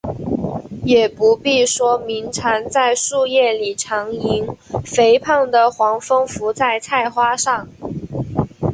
也不必说鸣蝉在树叶里长吟，肥胖的黄蜂伏在菜花上